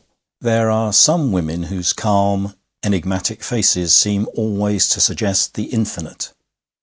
There are some women whose calm, enigmatic faces seem always to suggest the infinite.